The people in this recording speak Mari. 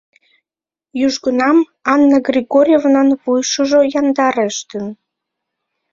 Южгунам Анна Григорьевнан вуйушыжо яндарештын.